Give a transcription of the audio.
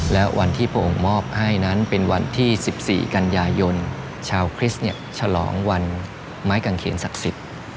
และวันที่พระองค์มอบให้นั้นเป็นวันที่๑๔กันยายนชาวคริสต์ฉลองวันไม้กังเขียนศักดิ์สิทธิ์